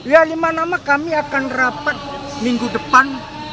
ya lima nama kami akan rapat minggu depan